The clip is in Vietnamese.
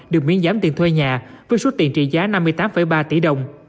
được miễn giám tiền thuê nhà với suất tiền trị giá năm mươi tám ba tỷ đồng